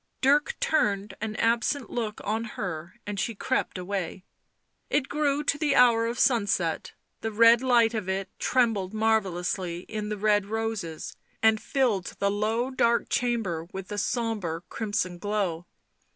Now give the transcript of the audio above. Dirk turned an absent look on her and she crept away. It grew to the hour of sunset; the red light of it trembled marvellously in the red roses and filled the low, dark chamber with a sombre crimson glow.